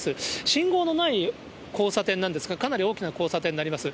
信号のない交差点なんですが、かなり大きな交差点になります。